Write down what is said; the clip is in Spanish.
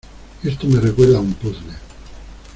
Esto me recuerda a un puzle.